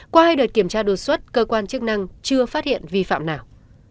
qua hai đợt kiểm tra đột xuất cơ quan chức năng chưa phát hiện vi phạm nào